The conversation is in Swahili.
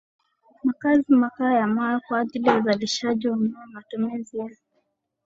makazi makaa ya mawe kwa ajili ya uzalishaji wa umeme matumizi ya